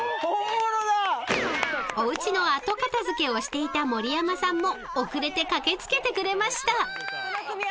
［おうちの後片付けをしていた森山さんも遅れて駆け付けてくれました］